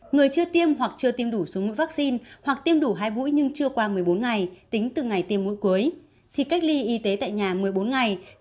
người chưa tiêm hoặc chưa tiêm đủ số mũi vaccine hoặc tiêm đủ hai mũi nhưng chưa qua một mươi bốn ngày tính từ ngày tiêm mũi cuối thì cách ly y tế tại nhà một mươi bốn ngày